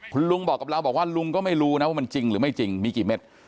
คุณลุงบอกกับเราบอกว่าลุงก็ไม่รู้นะว่ามันจริงหรือไม่จริงมีกี่เม็ด